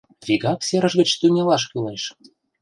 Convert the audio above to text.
— Вигак серыш гыч тӱҥалаш кӱлеш!